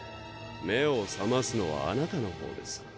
目を覚ますのはあなたの方です。